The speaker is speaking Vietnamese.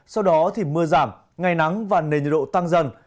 sau đó thì mưa giảm ngày nắng và nền nhiệt độ tăng dần